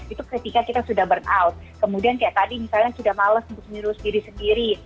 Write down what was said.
itu ketika kita sudah burnout kemudian kayak tadi misalnya sudah males untuk menyerus diri sendiri